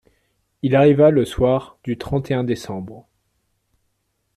Il arriva le soir du trente et un décembre.